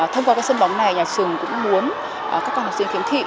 thông qua sân bóng này nhà trường cũng muốn các con học sinh khiếm thị